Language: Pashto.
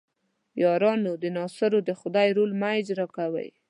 یارانو د ناصرو د خدۍ رول مه اجراء کوئ.